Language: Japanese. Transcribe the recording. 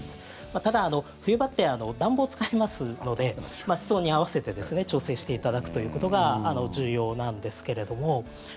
ただ、冬場って暖房を使いますので室温に合わせて調整していただくということが重要なんですけれども。